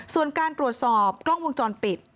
ส่วนการตรวจสอบกล้องวงจรปิด